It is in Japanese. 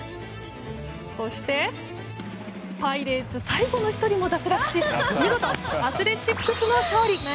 そして、パイレーツ最後の１人も脱落し見事、アスレチックスの勝利。